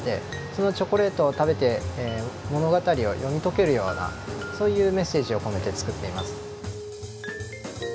そのチョコレートを食べて物語を読み解けるようなそういうメッセージを込めて作っています。